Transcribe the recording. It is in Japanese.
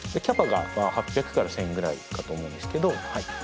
キャパが８００から１０００ぐらいかと思うんですけど。